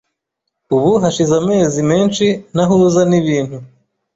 Ubu hashize amezi menshi ntahuza nibintu.